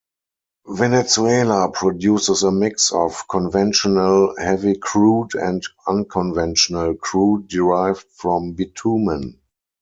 Venezuela produces a mix of conventional heavy crude and unconventional crude derived from bitumen.